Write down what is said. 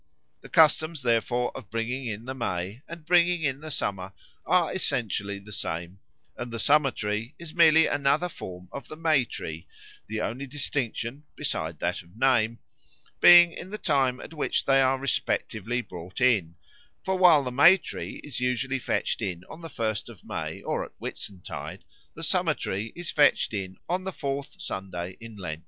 The customs, therefore, of bringing in the May and bringing in the Summer are essentially the same; and the Summer tree is merely another form of the May tree, the only distinction (besides that of name) being in the time at which they are respectively brought in; for while the May tree is usually fetched in on the first of May or at Whitsuntide, the Summer tree is fetched in on the fourth Sunday in Lent.